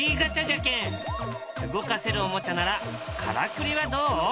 動かせるおもちゃならからくりはどう？